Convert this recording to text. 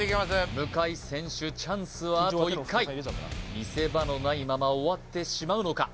向選手チャンスはあと１回見せ場のないまま終わってしまうのか？